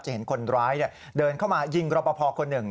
จะเห็นคนร้ายฟังเดินเข้ามายิงรอพะพอร์คนหนึ่ง